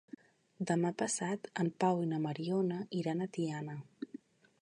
Demà passat en Pau i na Mariona iran a Tiana.